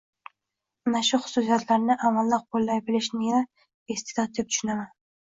Ana shu xususiyatlarni amalda qoʻllay bilishnigina isteʼdod deb tushunaman